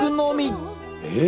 えっ！